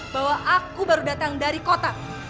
bahwa aku baru datang dari kota